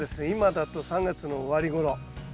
今だと３月の終わりごろ。